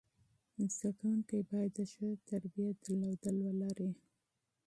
زده کوونکي باید د ښه تربیت درلودل ولري.